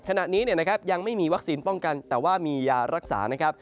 ขณะนี้ยังไม่มีวัคซีนป้องกันแต่ว่ามียารักษา